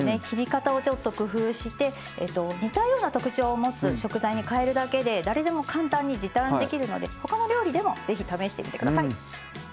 切り方をちょっと工夫して似たような特徴を持つ食材にかえるだけで誰でも簡単に時短できるので他の料理でも是非試してみてください。